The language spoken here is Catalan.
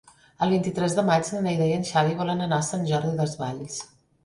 El vint-i-tres de maig na Neida i en Xavi volen anar a Sant Jordi Desvalls.